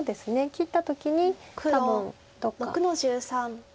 切った時に多分どっか戻って。